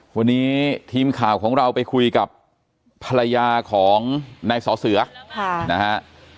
วันนี้ทีมข่าวของเราไปคุยกับภรรยาของนายสอเสือนะฮะ